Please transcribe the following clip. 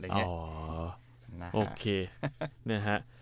อ๋อโอเค